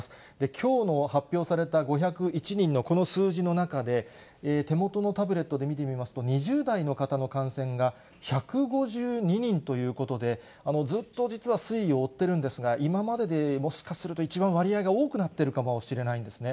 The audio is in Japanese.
きょうの発表された５０１人のこの数字の中で、手元のタブレットで見てみますと、２０代の方の感染が１５２人ということで、ずっと実は推移を追っているんですが、今までで、もしかすると一番割合が多くなっているかもしれないんですね。